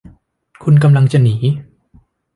คุณกำลังจะหนี